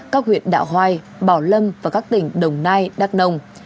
các huyện đạo hoai bảo lâm và các tỉnh đồng nai đắk nông